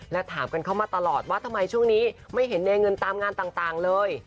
และถามกันเข้ามาตลอดว่าทำไมช่วงนี้ไม่เห็นเนเงินตามงานต่างเลย